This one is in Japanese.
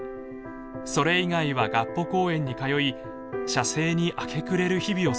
それ以外は合浦公園に通い写生に明け暮れる日々を過ごしました。